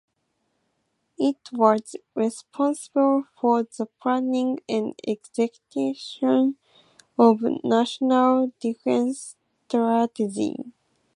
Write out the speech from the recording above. It was responsible for the planning and execution of national defense strategy.